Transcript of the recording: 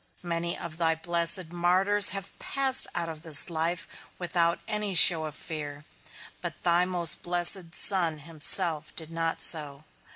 Many of thy blessed martyrs have passed out of this life without any show of fear; but thy most blessed Son himself did not so.